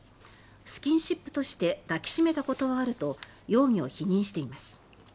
スキンシップとして抱き締めたことはあると容疑を否認しています。